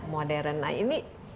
modern nah ini